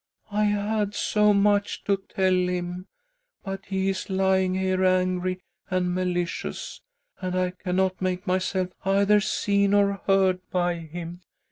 " I had so much to tell him, but he is lying "here angry and malicious, and I cannot make myself either seen or heard by him.